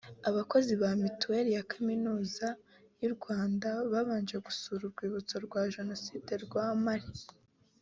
abakozi ba Mitiweli ya Kaminuza y’u Rwanda babanje gusura urwibutso rwa Jenoside rwa Mpare